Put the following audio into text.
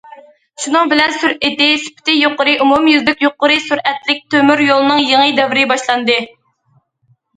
شۇنىڭ بىلەن، سۈرئىتى، سۈپىتى يۇقىرى، ئومۇميۈزلۈك يۇقىرى سۈرئەتلىك تۆمۈريولنىڭ يېڭى دەۋرى باشلاندى!